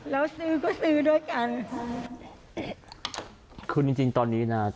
แล้วซื้อก็ซื้อด้วยกันคือจริงจริงตอนนี้น่ะ